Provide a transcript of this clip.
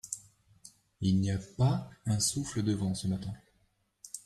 Il n'y a pas un souffle de vent ce matin.